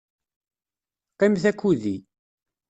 Qqimet akked-i.